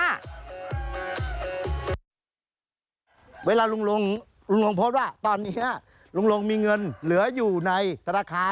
สวัสดีค่ะ